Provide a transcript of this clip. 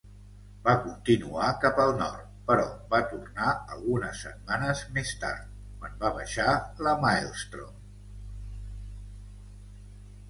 Va continuar cap al nord, però va tornar algunes setmanes més tard, quan va baixar la maelstrom.